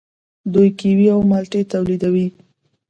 دوی کیوي او مالټې تولیدوي.